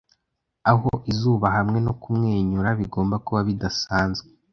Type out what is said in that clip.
Aho izuba hamwe no kumwenyura bigomba kuba bidasanzwe,